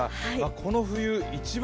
この冬一番